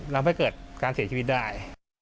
แล้วไม่เกิดการเสียชีวิตได้